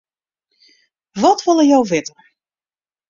Wat wolle jo witte?